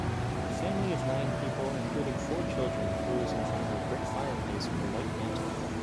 A family of nine people including four children pose in front of a brick fireplace with a white mantle